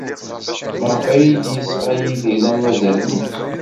Maɣef ay d-yesɣa Yidir arazal-nni?